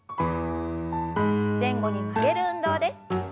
前後に曲げる運動です。